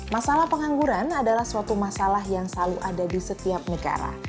masalah pengangguran adalah suatu masalah yang selalu ada di setiap negara